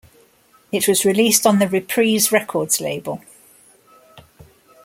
It was released on the Reprise Records label.